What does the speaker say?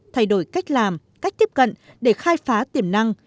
thay đổi cách làm cách tiếp cận để khai phá tiềm năng